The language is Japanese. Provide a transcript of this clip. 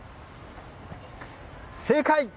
正解！